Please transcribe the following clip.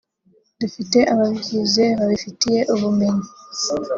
dufite ababyize babifitiye ubumenyi